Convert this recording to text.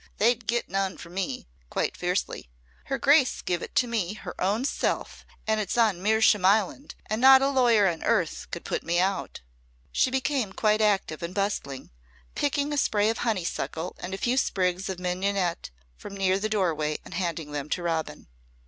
They'd get none from me!" quite fiercely. "Her grace give it to me her own self and it's on Mersham land and not a lawyer on earth could put me out." She became quite active and bustling picking a spray of honeysuckle and a few sprigs of mignonette from near the doorway and handing them to Robin.